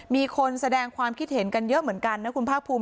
มีคนแสดงความคิดเห็นกันเยอะเหมือนกันนะคุณภาคภูมิ